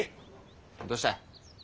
どうした？